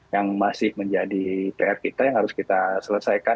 yang masih menjadi pr kita yang harus kita selesaikan